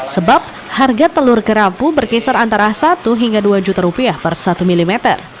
sebab harga telur kerapu berkisar antara satu hingga dua juta rupiah per satu mm